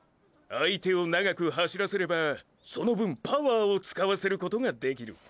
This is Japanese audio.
相手を長く走らせればその分パワーを使わせることができる。